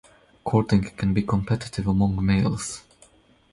Courting can be competitive among males.